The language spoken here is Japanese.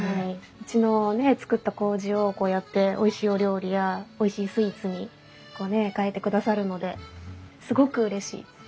うちの造ったこうじをこうやっておいしいお料理やおいしいスイーツに変えてくださるのですごくうれしいです。